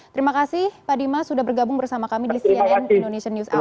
terima kasih pak dima sudah bergabung bersama kami di cnn indonesian news hour